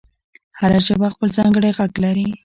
هره ژبه خپل ځانګړی غږ لري.